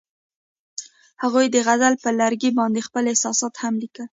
هغوی د غزل پر لرګي باندې خپل احساسات هم لیکل.